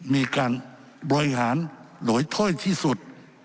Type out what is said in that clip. มีการบริหารโหยเท่าที่สุด